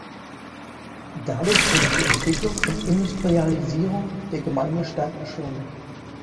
Dadurch wurde die Entwicklung und Industrialisierung der Gemeinde stark beschleunigt.